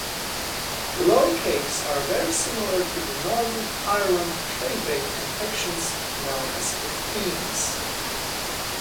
Lolly cakes are very similar to the Northern Ireland traybake confections known as fifteens.